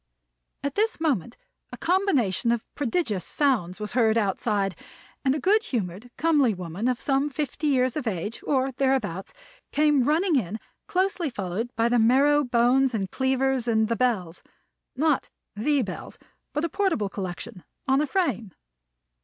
At this moment a combination of prodigious sounds was heard outside, and a good humored, comely woman of some fifty years of age, or thereabouts, came running in, closely followed by the marrow bones and cleavers and the bells not the Bells, but a portable collection on a frame.